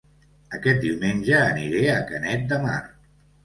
Aquest diumenge aniré a Canet de Mar